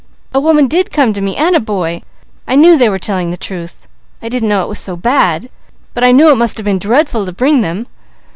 A woman did come to me, and a boy! I knew they were telling the truth! I didn't know it was so bad, but I knew it must have been dreadful, to bring them.